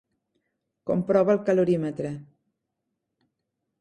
Comprova el calorímetre.